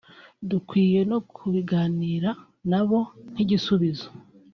dukwiye no kubisangira na bo nk’igisubizo